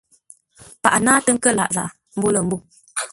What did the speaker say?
Paghʼə náatə́ ńkə́r lâʼ zághʼə mbô lə̂ mbô.